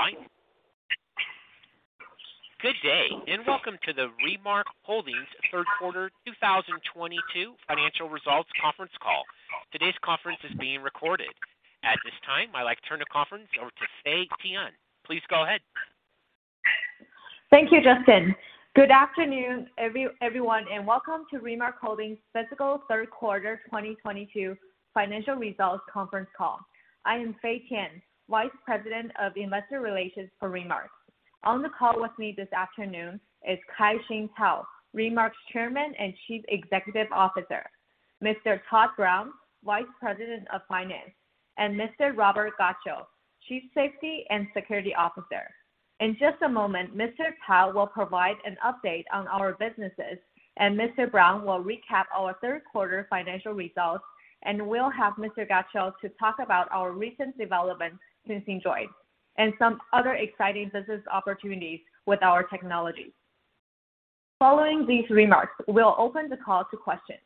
Please stand by. Good day, and welcome to the Remark Holdings Third Quarter 2022 Financial Results Conference Call. Today's conference is being recorded. At this time, I'd like to turn the conference over to Fay Tian. Please go ahead. Thank you, Justin. Good afternoon, everyone, and welcome to Remark Holdings' fiscal third quarter 2022 financial results conference call. I am Fay Tian, Vice President of Investor Relations for Remark. On the call with me this afternoon is Kai-Shing Tao, Remark's Chairman and Chief Executive Officer. Mr. Todd Brown, Vice President of Finance, and Mr. Robert Gatchell, Chief Safety and Security Officer. In just a moment, Mr. Tao will provide an update on our businesses, and Mr. Brown will recap our third quarter financial results, and we'll have Mr. Gatchell to talk about our recent developments since he joined and some other exciting business opportunities with our technologies. Following these remarks, we'll open the call to questions.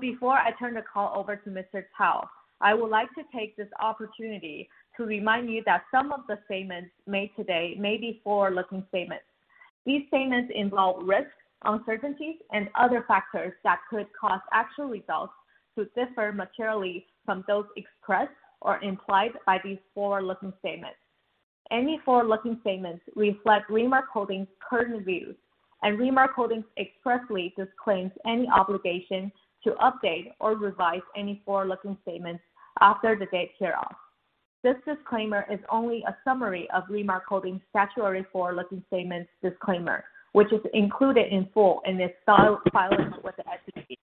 Before I turn the call over to Mr. Tao, I would like to take this opportunity to remind you that some of the statements made today may be forward-looking statements. These statements involve risks, uncertainties, and other factors that could cause actual results to differ materially from those expressed or implied by these forward-looking statements. Any forward-looking statements reflect Remark Holdings' current views, and Remark Holdings expressly disclaims any obligation to update or revise any forward-looking statements after the date hereof. This disclaimer is only a summary of Remark Holdings' statutory forward-looking statements disclaimer, which is included in full in this filing with the SEC.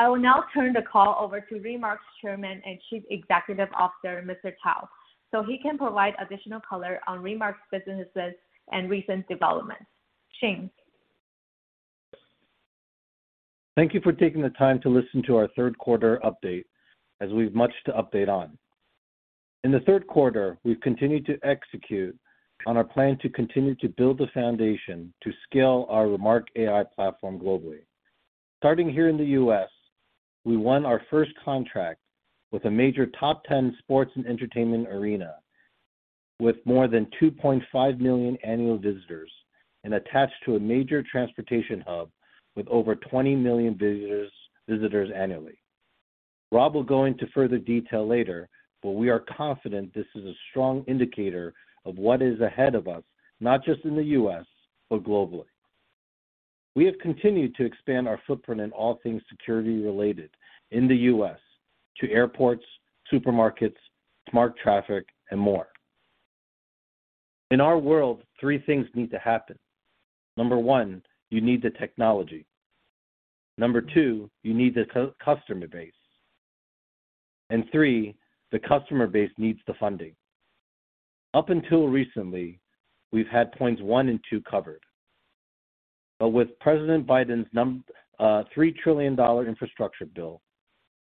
I will now turn the call over to Remark's Chairman and Chief Executive Officer, Mr. Tao, so he can provide additional color on Remark's businesses and recent developments. Kai-Shing. Thank you for taking the time to listen to our third quarter update, as we've much to update on. In the third quarter, we've continued to execute on our plan to continue to build the foundation to scale our Remark AI platform globally. Starting here in the U.S., we won our first contract with a major top 10 sports and entertainment arena with more than 2.5 million annual visitors and attached to a major transportation hub with over 20 million visitors annually. Rob will go into further detail later, but we are confident this is a strong indicator of what is ahead of us, not just in the U.S., but globally. We have continued to expand our footprint in all things security-related in the U.S. to airports, supermarkets, smart traffic, and more. In our world, three things need to happen. Number one, you need the technology. Number two, you need the customer base. Three, the customer base needs the funding. Up until recently, we've had points one and two covered. With President Biden's $3 trillion infrastructure bill,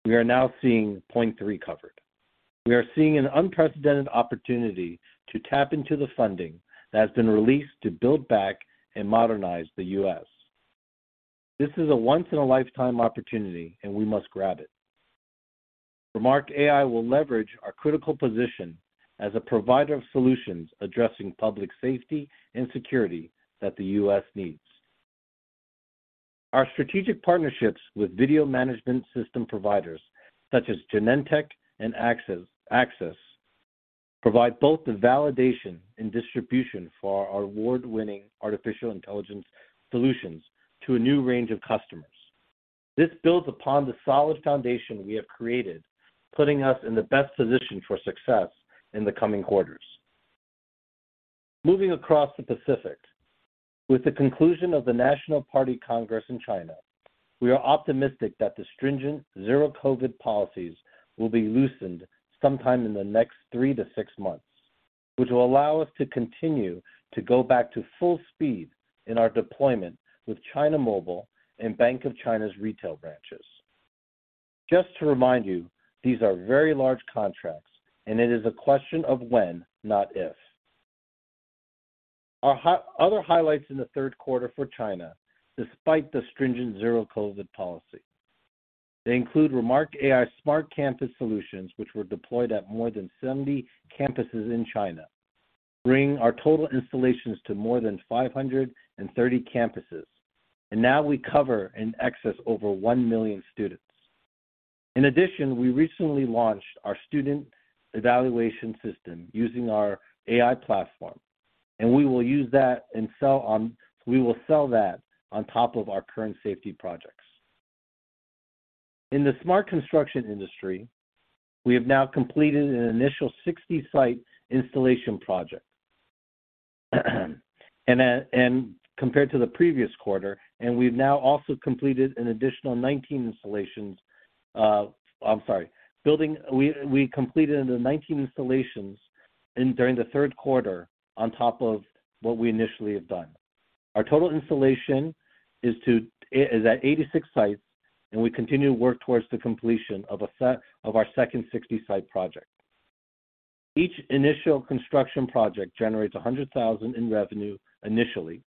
we are now seeing point three covered. We are seeing an unprecedented opportunity to tap into the funding that has been released to build back and modernize the U.S. This is a once in a lifetime opportunity and we must grab it. Remark AI will leverage our critical position as a provider of solutions addressing public safety and security that the U.S. needs. Our strategic partnerships with video management system providers such as Genetec and Axis provide both the validation and distribution for our award-winning artificial intelligence solutions to a new range of customers. This builds upon the solid foundation we have created, putting us in the best position for success in the coming quarters. Moving across the Pacific, with the conclusion of the National Party Congress in China, we are optimistic that the stringent zero-COVID policies will be loosened sometime in the next three to six months, which will allow us to continue to go back to full speed in our deployment with China Mobile and Bank of China's retail branches. Just to remind you, these are very large contracts, and it is a question of when, not if. Other highlights in the third quarter for China, despite the stringent zero-COVID policy, they include Remark AI's Smart Campus solutions, which were deployed at more than 70 campuses in China, bringing our total installations to more than 530 campuses. Now we cover and access over 1 million students. In addition, we recently launched our student evaluation system using our AI platform, and we will use that and we will sell that on top of our current safety projects. In the smart construction industry, we have now completed an initial 60-site installation project. Compared to the previous quarter, we've now also completed an additional 19 installations. We completed the 19 installations during the third quarter on top of what we initially have done. Our total installation is at 86 sites, and we continue to work towards the completion of our second 60-site project. Each initial construction project generates $100,000 in revenue initially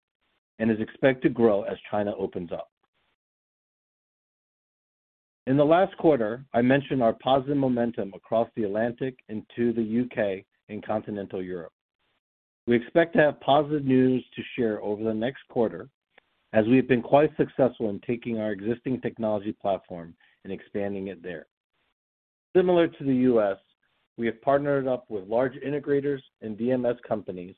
and is expected to grow as China opens up. In the last quarter, I mentioned our positive momentum across the Atlantic into the U.K. and continental Europe. We expect to have positive news to share over the next quarter as we've been quite successful in taking our existing technology platform and expanding it there. Similar to the U.S., we have partnered up with large integrators and VMS companies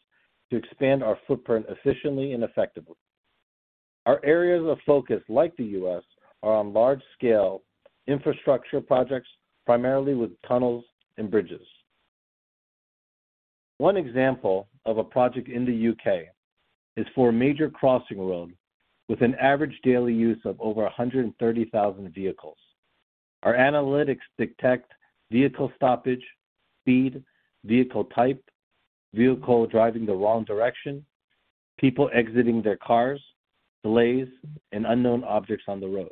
to expand our footprint efficiently and effectively. Our areas of focus, like the U.S., are on large-scale infrastructure projects, primarily with tunnels and bridges. One example of a project in the U.K. is for a major crossing road with an average daily use of over 130,000 vehicles. Our analytics detect vehicle stoppage, speed, vehicle type, vehicle driving the wrong direction, people exiting their cars, delays, and unknown objects on the roads.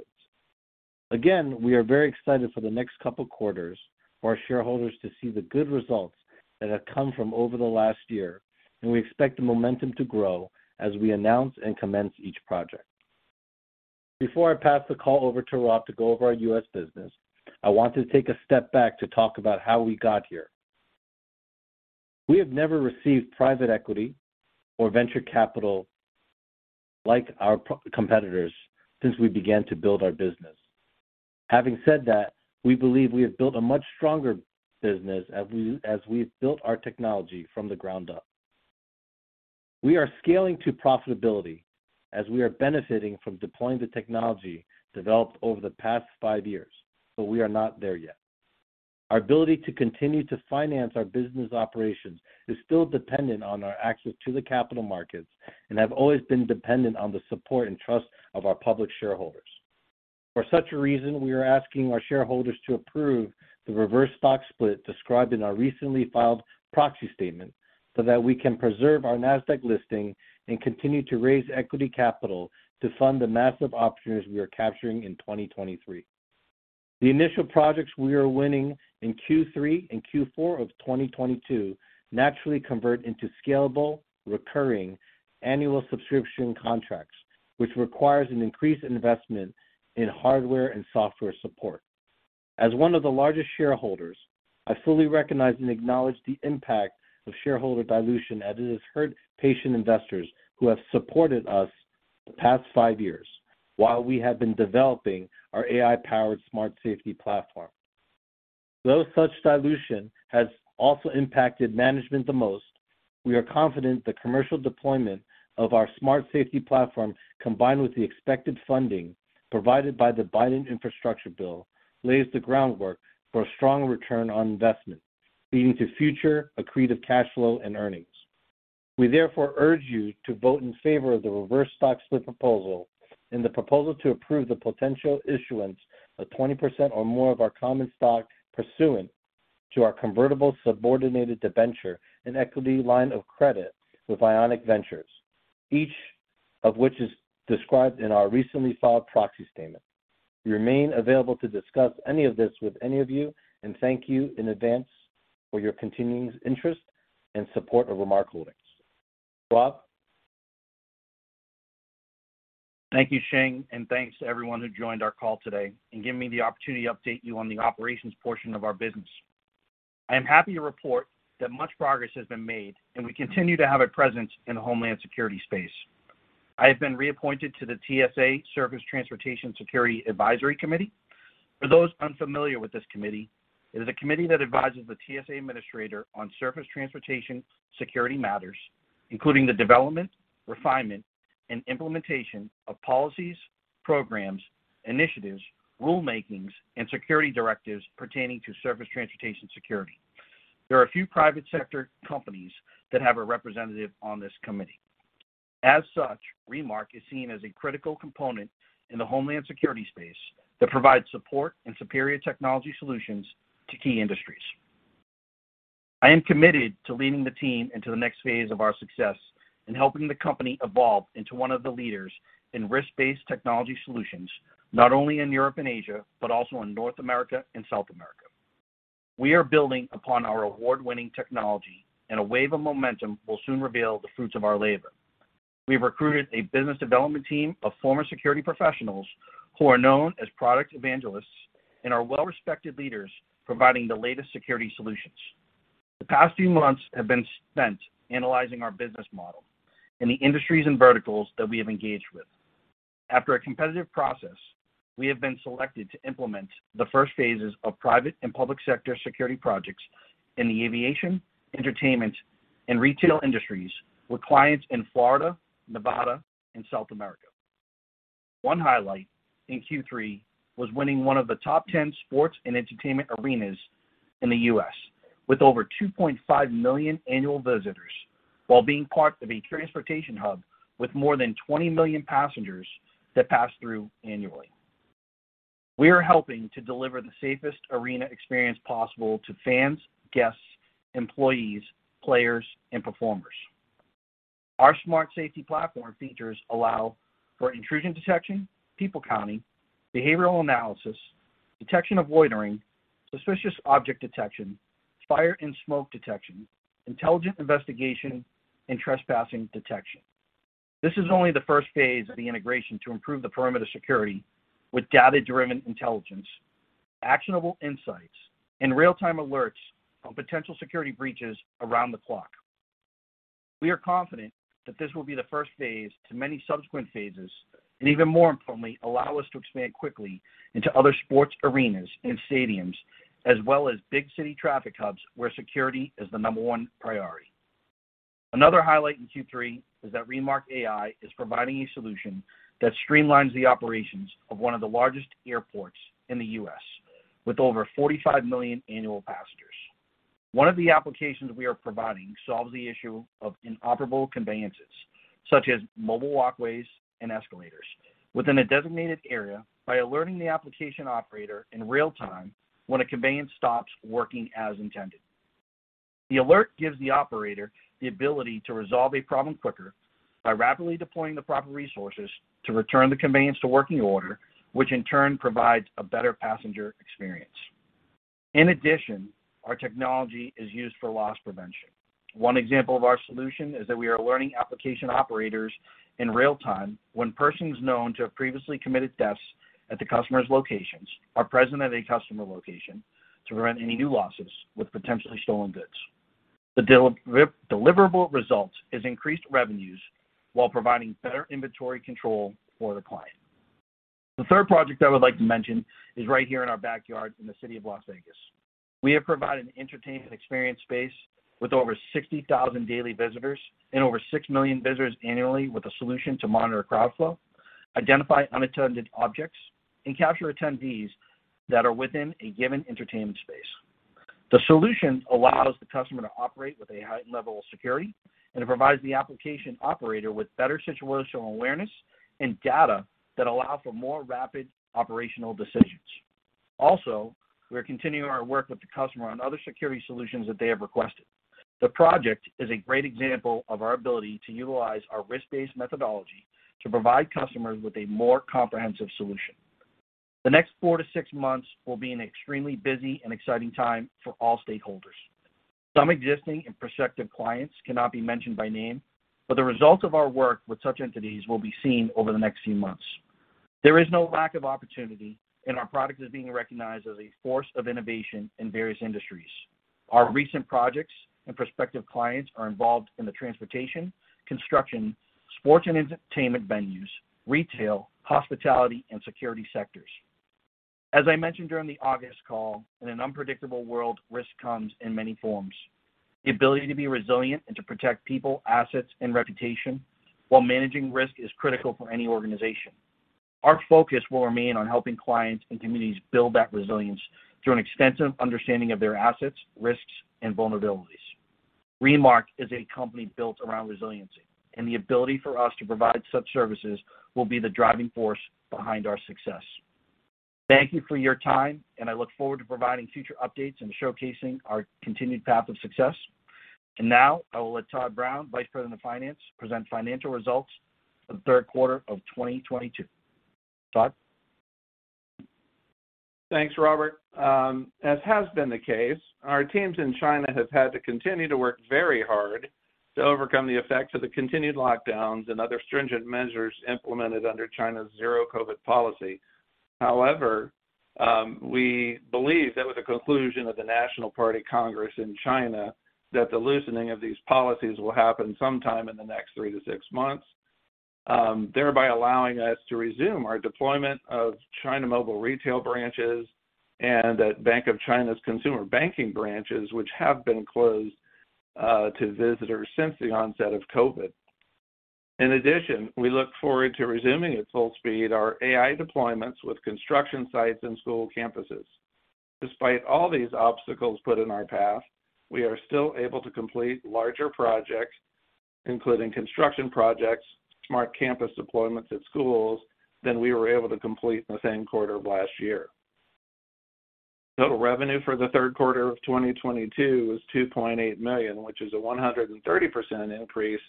Again, we are very excited for the next couple quarters for our shareholders to see the good results that have come from over the last year, and we expect the momentum to grow as we announce and commence each project. Before I pass the call over to Rob to go over our U.S. business, I want to take a step back to talk about how we got here. We have never received private equity or venture capital like our competitors since we began to build our business. Having said that, we believe we have built a much stronger business as we, as we've built our technology from the ground up. We are scaling to profitability as we are benefiting from deploying the technology developed over the past five years, but we are not there yet. Our ability to continue to finance our business operations is still dependent on our access to the capital markets and have always been dependent on the support and trust of our public shareholders. For such a reason, we are asking our shareholders to approve the reverse stock split described in our recently filed proxy statement so that we can preserve our Nasdaq listing and continue to raise equity capital to fund the massive opportunities we are capturing in 2023. The initial projects we are winning in Q3 and Q4 of 2022 naturally convert into scalable, recurring annual subscription contracts, which requires an increased investment in hardware and software support. As one of the largest shareholders, I fully recognize and acknowledge the impact of shareholder dilution as it has hurt patient investors who have supported us the past five years while we have been developing our AI-powered Smart Safety Platform. Though such dilution has also impacted management the most, we are confident the commercial deployment of our Smart Safety Platform, combined with the expected funding provided by the Biden infrastructure bill, lays the groundwork for a strong return on investment, leading to future accretive cash flow and earnings. We therefore urge you to vote in favor of the reverse stock split proposal and the proposal to approve the potential issuance of 20% or more of our common stock pursuant to our convertible subordinated debenture and equity line of credit with Ionic Ventures, each of which is described in our recently filed proxy statement. We remain available to discuss any of this with any of you and thank you in advance for your continuing interest and support of Remark Holdings. Rob? Thank you, Shing, and thanks to everyone who joined our call today and giving me the opportunity to update you on the operations portion of our business. I am happy to report that much progress has been made, and we continue to have a presence in the homeland security space. I have been reappointed to the TSA Surface Transportation Security Advisory Committee. For those unfamiliar with this committee, it is a committee that advises the TSA administrator on surface transportation security matters, including the development, refinement, and implementation of policies, programs, initiatives, rulemakings, and security directives pertaining to surface transportation security. There are a few private sector companies that have a representative on this committee. As such, Remark is seen as a critical component in the homeland security space that provides support and superior technology solutions to key industries. I am committed to leading the team into the next phase of our success and helping the company evolve into one of the leaders in risk-based technology solutions, not only in Europe and Asia, but also in North America and South America. We are building upon our award-winning technology and a wave of momentum will soon reveal the fruits of our labor. We've recruited a business development team of former security professionals who are known as product evangelists and are well-respected leaders providing the latest security solutions. The past few months have been spent analyzing our business model and the industries and verticals that we have engaged with. After a competitive process, we have been selected to implement the first phases of private and public sector security projects in the aviation, entertainment, and retail industries with clients in Florida, Nevada, and South America. One highlight in Q3 was winning one of the top 10 sports and entertainment arenas in the US with over 2.5 million annual visitors while being part of a transportation hub with more than 20 million passengers that pass through annually. We are helping to deliver the safest arena experience possible to fans, guests, employees, players, and performers. Our Smart Safety Platform features allow for intrusion detection, people counting, behavioral analysis, detection of loitering, suspicious object detection, fire and smoke detection, intelligent investigation, and trespassing detection. This is only the first phase of the integration to improve the perimeter security with data-driven intelligence, actionable insights, and real-time alerts on potential security breaches around the clock. We are confident that this will be the first phase to many subsequent phases, and even more importantly, allow us to expand quickly into other sports arenas and stadiums, as well as big city traffic hubs where security is the number one priority. Another highlight in Q3 is that Remark AI is providing a solution that streamlines the operations of one of the largest airports in the U.S., with over 45 million annual passengers. One of the applications we are providing solves the issue of inoperable conveyances, such as mobile walkways and escalators, within a designated area by alerting the application operator in real time when a conveyance stops working as intended. The alert gives the operator the ability to resolve a problem quicker by rapidly deploying the proper resources to return the conveyance to working order, which in turn provides a better passenger experience. In addition, our technology is used for loss prevention. One example of our solution is that we are alerting application operators in real time when persons known to have previously committed thefts at the customer's locations are present at a customer location to prevent any new losses with potentially stolen goods. The deliverable result is increased revenues while providing better inventory control for the client. The third project I would like to mention is right here in our backyard in the city of Las Vegas. We have provided an entertainment experience space with over 60,000 daily visitors and over 6 million visitors annually with a solution to monitor crowd flow, identify unattended objects, and capture attendees that are within a given entertainment space. The solution allows the customer to operate with a heightened level of security, and it provides the application operator with better situational awareness and data that allow for more rapid operational decisions. Also, we are continuing our work with the customer on other security solutions that they have requested. The project is a great example of our ability to utilize our risk-based methodology to provide customers with a more comprehensive solution. The next four-six months will be an extremely busy and exciting time for all stakeholders. Some existing and prospective clients cannot be mentioned by name, but the results of our work with such entities will be seen over the next few months. There is no lack of opportunity, and our product is being recognized as a force of innovation in various industries. Our recent projects and prospective clients are involved in the transportation, construction, sports and entertainment venues, retail, hospitality, and security sectors. As I mentioned during the August call, in an unpredictable world, risk comes in many forms. The ability to be resilient and to protect people, assets, and reputation while managing risk is critical for any organization. Our focus will remain on helping clients and communities build that resilience through an extensive understanding of their assets, risks, and vulnerabilities. Remark is a company built around resiliency, and the ability for us to provide such services will be the driving force behind our success. Thank you for your time, and I look forward to providing future updates and showcasing our continued path of success. Now I will let Todd Brown, Vice President of Finance, present financial results of the third quarter of 2022. Todd? Thanks, Robert. As has been the case, our teams in China have had to continue to work very hard to overcome the effects of the continued lockdowns and other stringent measures implemented under China's zero-COVID policy. However, we believe that with the conclusion of the National Party Congress in China, that the loosening of these policies will happen sometime in the next three-six months, thereby allowing us to resume our deployment of China Mobile retail branches and at Bank of China's consumer banking branches, which have been closed to visitors since the onset of COVID. In addition, we look forward to resuming at full speed our AI deployments with construction sites and school campuses. Despite all these obstacles put in our path, we are still able to complete larger projects, including construction projects, Smart Campus deployments at schools, than we were able to complete in the same quarter of last year. Total revenue for the third quarter of 2022 was $2.8 million, which is a 130% increase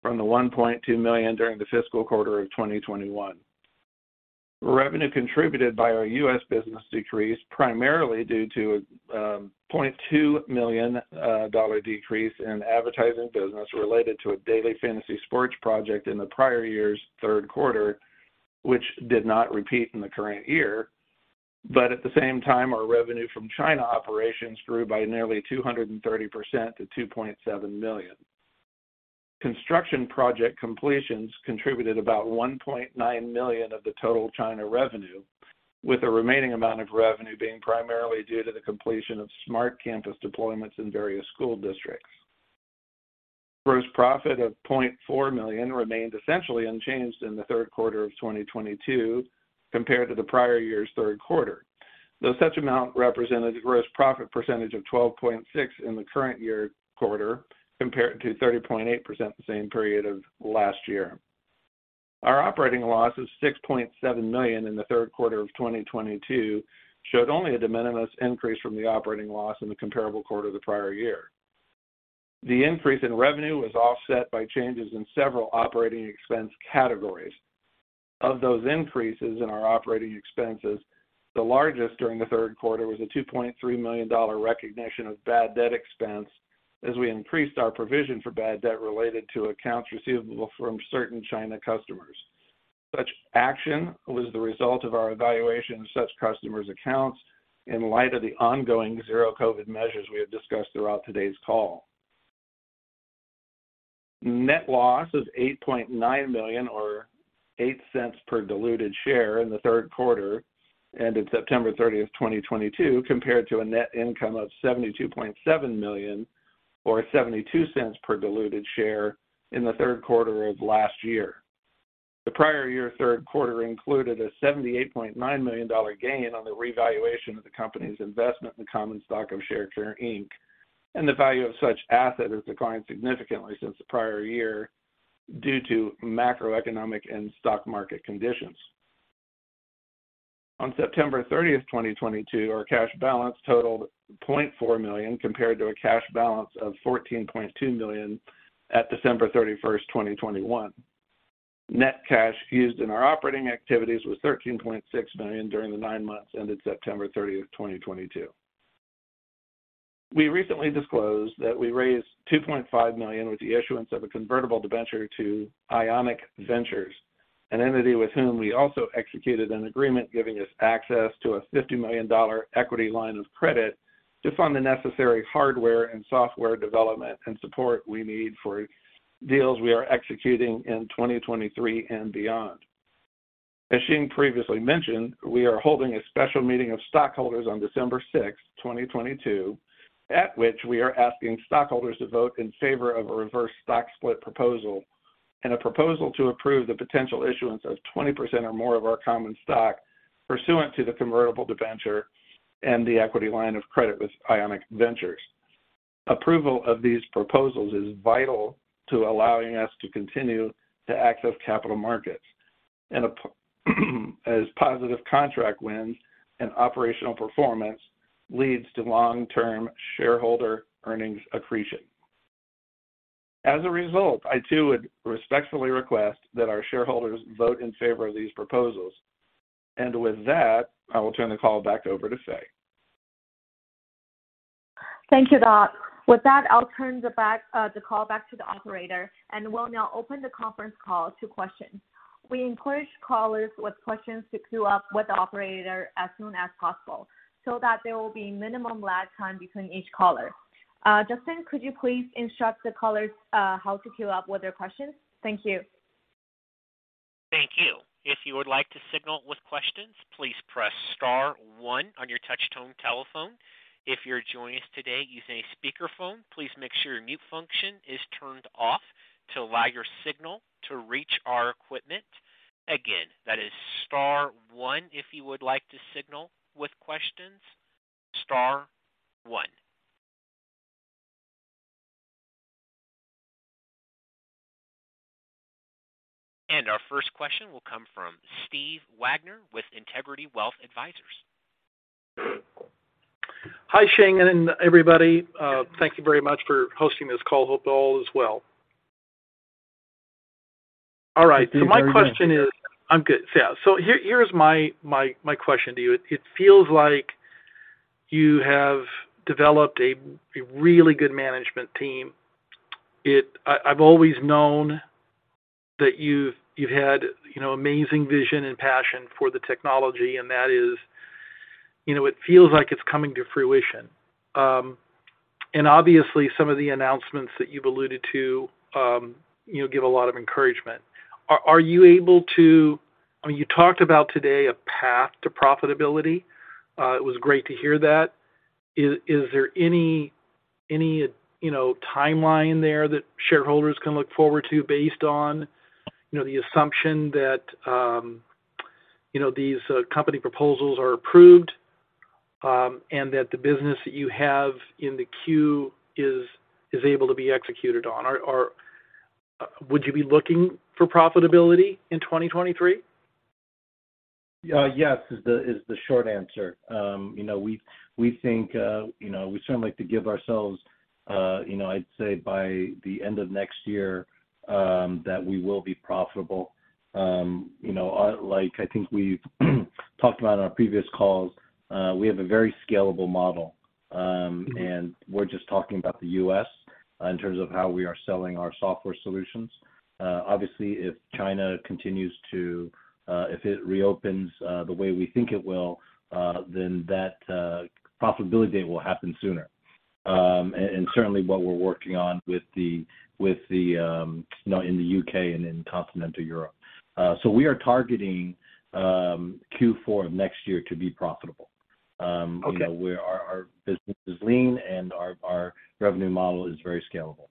from the $1.2 million during the fiscal quarter of 2021. Revenue contributed by our U.S. business decreased primarily due to a $0.2 million dollar decrease in advertising business related to a daily fantasy sports project in the prior year's third quarter, which did not repeat in the current year. At the same time, our revenue from China operations grew by nearly 230% to $2.7 million. Construction project completions contributed about $1.9 million of the total China revenue, with the remaining amount of revenue being primarily due to the completion of Smart Campus deployments in various school districts. Gross profit of $0.4 million remained essentially unchanged in the third quarter of 2022 compared to the prior year's third quarter, though such amount represented a gross profit percentage of 12.6% in the current year quarter compared to 30.8% the same period of last year. Our operating loss of $6.7 million in the third quarter of 2022 showed only a de minimis increase from the operating loss in the comparable quarter the prior year. The increase in revenue was offset by changes in several operating expense categories. Of those increases in our operating expenses, the largest during the third quarter was a $2.3 million recognition of bad debt expense as we increased our provision for bad debt related to accounts receivable from certain China customers. Such action was the result of our evaluation of such customers' accounts in light of the ongoing zero-COVID measures we have discussed throughout today's call. Net loss is $8.9 million or $0.08 per diluted share in the third quarter ended September 30th, 2022, compared to a net income of $72.7 million or $0.72 per diluted share in the third quarter of last year. The prior year third quarter included a $78.9 million gain on the revaluation of the company's investment in common stock of Sharecare, Inc., and the value of such asset has declined significantly since the prior year due to macroeconomic and stock market conditions. On September 30th, 2022, our cash balance totaled $0.4 million, compared to a cash balance of $14.2 million at December 31st, 2021. Net cash used in our operating activities was $13.6 million during the nine months ended September 30th, 2022. We recently disclosed that we raised $2.5 million with the issuance of a convertible debenture to Ionic Ventures, an entity with whom we also executed an agreement giving us access to a $50 million equity line of credit to fund the necessary hardware and software development and support we need for deals we are executing in 2023 and beyond. As Kai-Shing Tao previously mentioned, we are holding a special meeting of stockholders on December 6th, 2022, at which we are asking stockholders to vote in favor of a reverse stock split proposal and a proposal to approve the potential issuance of 20% or more of our common stock pursuant to the convertible debenture and the equity line of credit with Ionic Ventures. Approval of these proposals is vital to allowing us to continue to access capital markets as positive contract wins and operational performance leads to long-term shareholder earnings accretion. As a result, I too would respectfully request that our shareholders vote in favor of these proposals. With that, I will turn the call back over to Fay. Thank you, Todd. With that, I'll turn the call back to the operator, and we'll now open the conference call to questions. We encourage callers with questions to queue up with the operator as soon as possible so that there will be minimum lag time between each caller. Justin, could you please instruct the callers how to queue up with their questions? Thank you. Thank you. If you would like to signal with questions, please press star one on your touch-tone telephone. If you're joining us today using a speakerphone, please make sure your mute function is turned off to allow your signal to reach our equipment. Again, that is star one if you would like to signal with questions, star one. Our first question will come from Steve Wagner with Integrity Wealth Advisors. Hi, Kai-Shing Tao, and everybody. Thank you very much for hosting this call. Hope you're all as well. All right. Thank you very much. My question is. I'm good. Yeah. Here is my question to you. It feels like you have developed a really good management team. I've always known that you've had you know, amazing vision and passion for the technology, and that is, you know, it feels like it's coming to fruition. And obviously some of the announcements that you've alluded to, you know, give a lot of encouragement. Are you able to. I mean, you talked about today a path to profitability. It was great to hear that. Is there any, you know, timeline there that shareholders can look forward to based on, you know, the assumption that, you know, these company proposals are approved, and that the business that you have in the queue is able to be executed on? Would you be looking for profitability in 2023? Yes, is the short answer. You know, we think, you know, we certainly like to give ourselves, you know, I'd say by the end of next year, that we will be profitable. You know, like I think we've talked about in our previous calls, we have a very scalable model. We're just talking about the U.S. in terms of how we are selling our software solutions. Obviously, if it reopens, the way we think it will, then that profitability will happen sooner. Certainly what we're working on with the, with the, you know, in the U.K. and in continental Europe. We are targeting Q4 of next year to be profitable. Okay. You know, where our business is lean, and our revenue model is very scalable.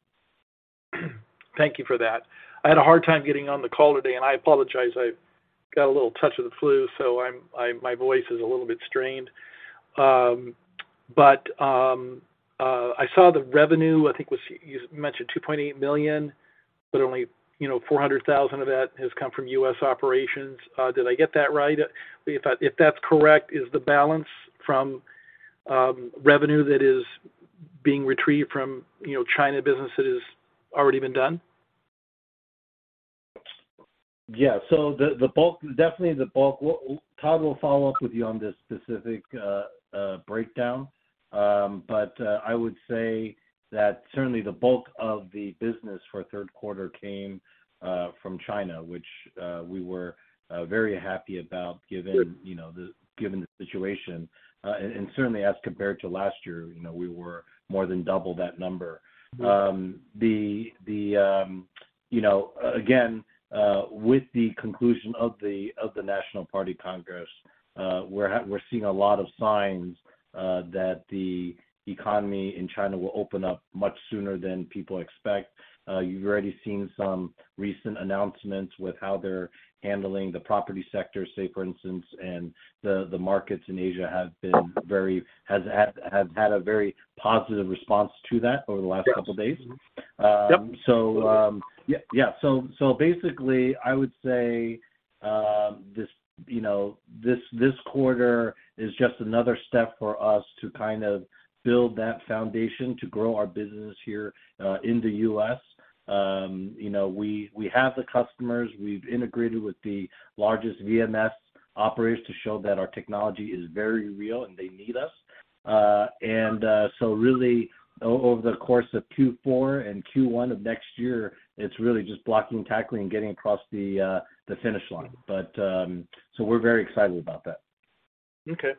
Thank you for that. I had a hard time getting on the call today, and I apologize. I've got a little touch of the flu, so my voice is a little bit strained. But I saw the revenue. I think you mentioned $2.8 million, but only, you know, $400,000 of that has come from U.S. operations. Did I get that right? If that's correct, is the balance from revenue that is being retrieved from China business that has already been done? Yeah. The bulk, definitely the bulk. Todd will follow up with you on this specific breakdown. I would say that certainly the bulk of the business for third quarter came from China, which we were very happy about given, you know, the situation. Certainly as compared to last year, you know, we were more than double that number. You know, again, with the conclusion of the National Congress of the Chinese Communist Party, we're seeing a lot of signs that the economy in China will open up much sooner than people expect. You've already seen some recent announcements with how they're handling the property sector, say, for instance, and the markets in Asia have had a very positive response to that over the last couple days. Yes. Yep. Basically, I would say, this quarter is just another step for us to kind of build that foundation to grow our business here, in the US, we have the customers. We've integrated with the largest VMS operators to show that our technology is very real, and they need us. Really over the course of Q4 and Q1 of next year, it's really just blocking and tackling and getting across the finish line. We're very excited about that. Okay.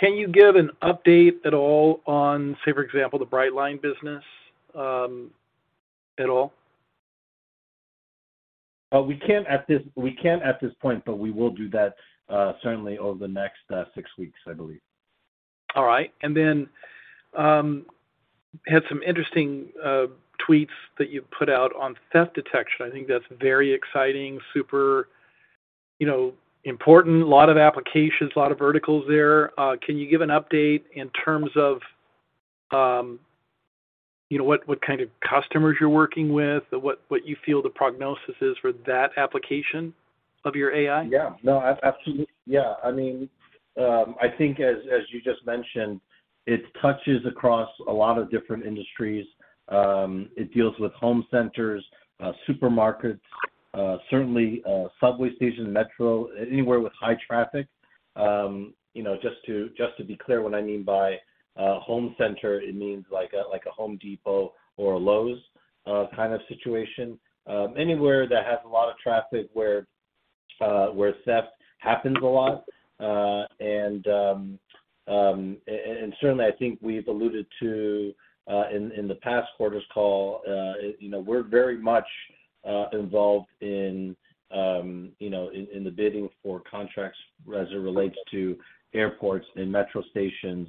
Can you give an update at all on, say, for example, the Brightline business, at all? We can't at this point, but we will do that, certainly over the next six weeks, I believe. All right. Had some interesting tweets that you put out on theft detection. I think that's very exciting, super important, a lot of applications, a lot of verticals there. Can you give an update in terms of what kind of customers you're working with? What you feel the prognosis is for that application of your AI? Yeah. No, absolutely. Yeah. I mean, I think as you just mentioned, it touches across a lot of different industries. It deals with home centers, supermarkets, certainly, subway station, metro, anywhere with high traffic. You know, just to be clear, what I mean by home center, it means like a Home Depot or a Lowe's kind of situation. Anywhere that has a lot of traffic where theft happens a lot. Certainly I think we've alluded to in the past quarter's call, you know, we're very much involved in the bidding for contracts as it relates to airports and metro stations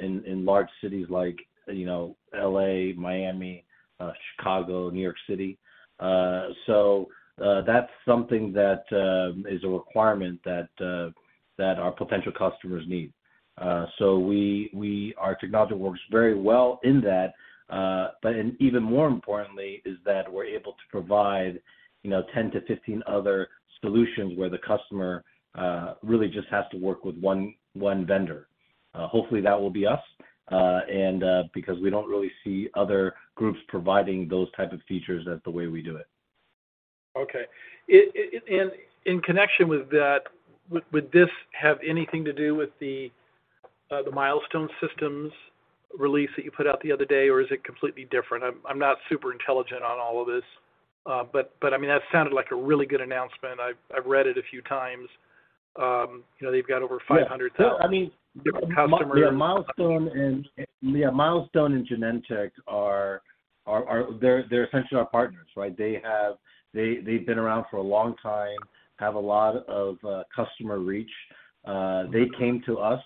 in large cities like, you know, L.A., Miami, Chicago, New York City. That's something that is a requirement that our potential customers need. Our technology works very well in that. Even more importantly is that we're able to provide, you know, 10-15 other solutions where the customer really just has to work with one vendor. Hopefully, that will be us, and because we don't really see other groups providing those type of features in the way we do it. Okay. In connection with that, would this have anything to do with the Milestone Systems release that you put out the other day, or is it completely different? I'm not super intelligent on all of this, but I mean, that sounded like a really good announcement. I've read it a few times. You know, they've got over 500,000- Yeah. No, I mean. different customers. Milestone and Genetec are essentially our partners, right? They've been around for a long time, have a lot of customer reach. They came to us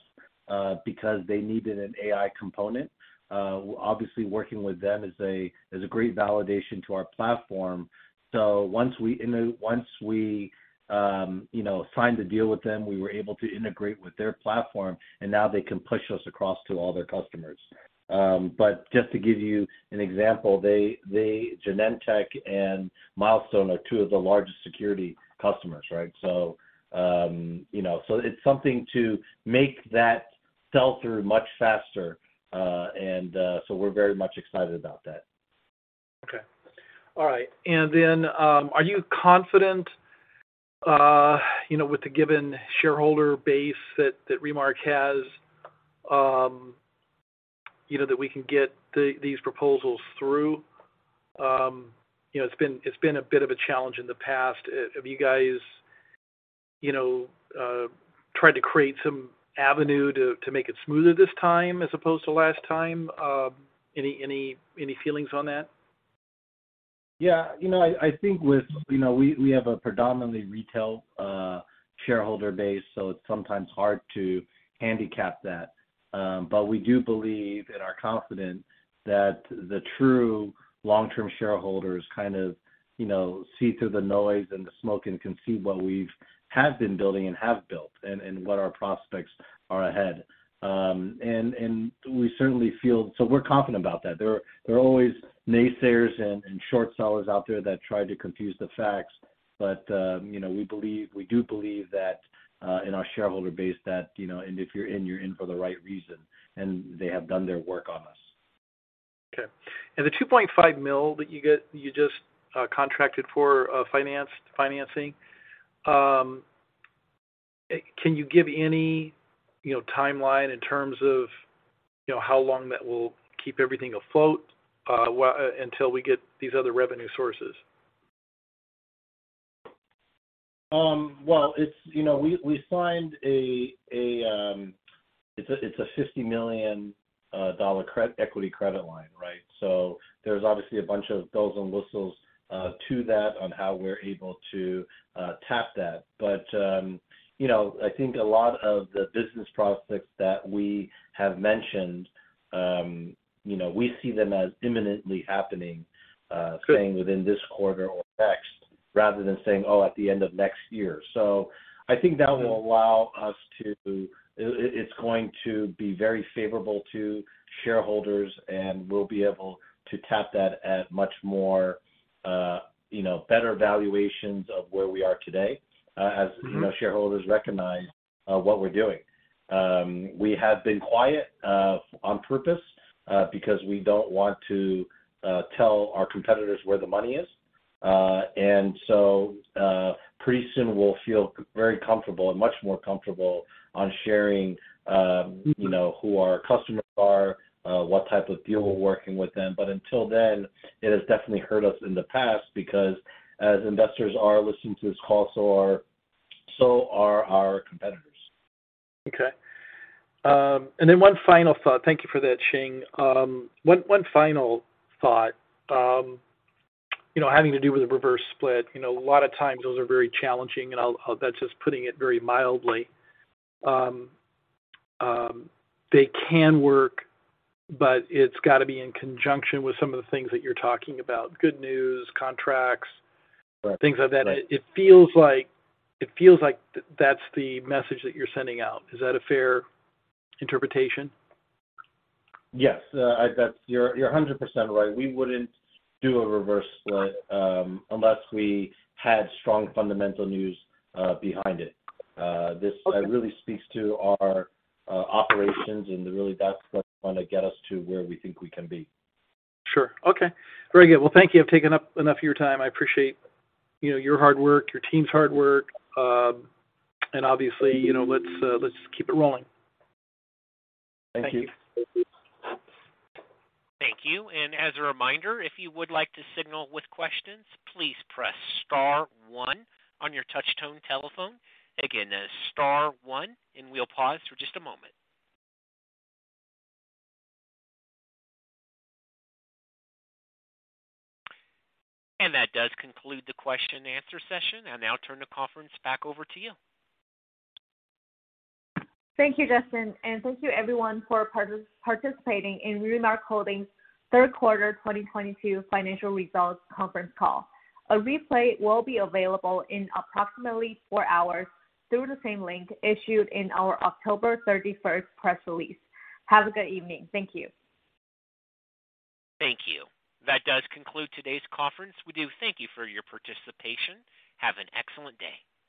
because they needed an AI component. Obviously working with them is a great validation to our platform. Once we you know, signed the deal with them, we were able to integrate with their platform, and now they can push us across to all their customers. Just to give you an example, Genetec and Milestone are two of the largest security customers, right? You know, it's something to make that sell-through much faster. We're very much excited about that. Okay. All right. Are you confident, you know, with the given shareholder base that Remark has, you know, that we can get these proposals through? You know, it's been a bit of a challenge in the past. Have you guys, you know, tried to create some avenue to make it smoother this time as opposed to last time? Any feelings on that? Yeah. You know, I think with, you know, we have a predominantly retail shareholder base, so it's sometimes hard to handicap that. We do believe and are confident that the true long-term shareholders kind of, you know, see through the noise and the smoke and can see what we have been building and have built and what our prospects are ahead, so we're confident about that. There are always naysayers and short sellers out there that try to confuse the facts. You know, we believe, we do believe that in our shareholder base that, you know, and if you're in for the right reason, and they have done their work on us. Okay. The $2.5 million that you just contracted for financing, can you give any, you know, timeline in terms of, you know, how long that will keep everything afloat until we get these other revenue sources? Well, you know, we signed a $50 million equity credit line, right? There's obviously a bunch of bells and whistles to that on how we're able to tap that. You know, I think a lot of the business prospects that we have mentioned, you know, we see them as imminently happening, saying within this quarter or next, rather than saying, "Oh, at the end of next year." I think that will allow us to. It's going to be very favorable to shareholders, and we'll be able to tap that at much more, you know, better valuations of where we are today, as you know, shareholders recognize what we're doing. We have been quiet on purpose because we don't want to tell our competitors where the money is. Pretty soon we'll feel very comfortable and much more comfortable on sharing, you know, who our customers are, what type of deal we're working with them. Until then, it has definitely hurt us in the past because as investors are listening to this call, so are our competitors. Okay. One final thought. Thank you for that, Kai-Shing Tao. One final thought, you know, having to do with the reverse split. You know, a lot of times those are very challenging, that's just putting it very mildly. They can work, but it's got to be in conjunction with some of the things that you're talking about, good news, contracts. Right. Things like that. It feels like that's the message that you're sending out. Is that a fair interpretation? Yes. You're 100% right. We wouldn't do a reverse split unless we had strong fundamental news behind it. This really speaks to our operations, and really that's what's gonna get us to where we think we can be. Sure. Okay. Very good. Well, thank you. I've taken up enough of your time. I appreciate, you know, your hard work, your team's hard work. Obviously, you know, let's keep it rolling. Thank you. Thank you. Thank you. As a reminder, if you would like to signal with questions, please press star one on your touch tone telephone. Again, that's star one, and we'll pause for just a moment. That does conclude the Q&A session. I'll now turn the conference back over to you. Thank you, Justin, and thank you everyone for participating in Remark Holdings' third quarter 2022 financial results conference call. A replay will be available in approximately four hours through the same link issued in our October 31st press release. Have a good evening. Thank you. Thank you. That does conclude today's conference. We do thank you for your participation. Have an excellent day.